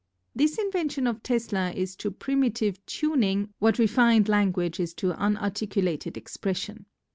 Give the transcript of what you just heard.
This in vention of Tesla is to primitive 'tuning' what re fined language is to unarticulated expression.